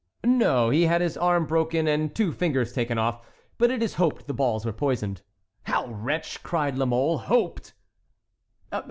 "No; he had his arm broken and two fingers taken off; but it is hoped the balls were poisoned." "How, wretch!" cried La Mole; "hoped?"